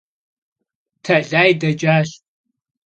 Тэлай дэкӀащ.